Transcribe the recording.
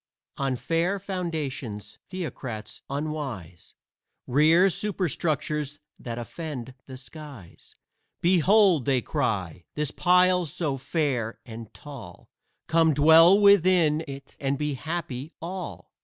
On fair foundations Theocrats unwise Rear superstructures that offend the skies. "Behold," they cry, "this pile so fair and tall! Come dwell within it and be happy all."